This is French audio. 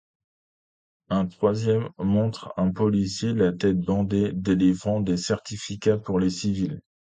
Un troisième montre un policier, la tête bandée, délivrant des certificats pour les civils.